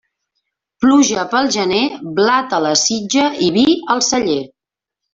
Pluja pel gener, blat a la sitja i vi al celler.